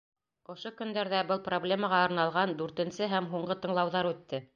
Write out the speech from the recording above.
Ошо көндәрҙә был проблемаға арналған дүртенсе һәм һуңғы тыңлауҙар үтте.